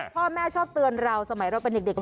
พ่อแม่ชอบเตือนเราสมัยเราเป็นเด็ก